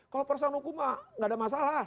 kalau perusahaan hukum tidak ada masalah